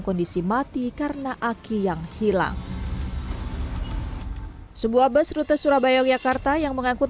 kondisi mati karena aki yang hilang sebuah bus rute surabaya yogyakarta yang mengangkut